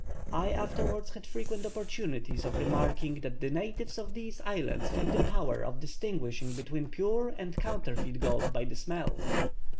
I afterwards had frequent opportunities of remarking that the natives of these islands have the power of distinguishing between pure and counterfeit gold by the smell.